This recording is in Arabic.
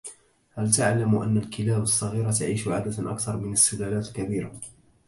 هل تعلم أن الكلاب الصغيرة تعيش عادة أكثر من السلالات الكبيرة.